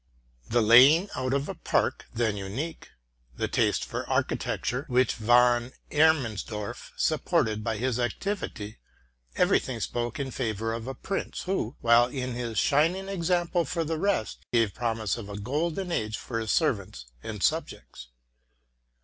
The laying out of a park, then unique, the taste for architecture, w hich Von E rdmannsdor i supported by his activity, every thing spoke in favor of prince, who, while he was a shining example for the ate gave promise of a golden age for his servants and subjects.